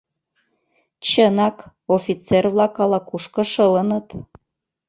Чынак, офицер-влак ала-кушко шылыныт.